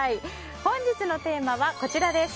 本日のテーマは、こちらです。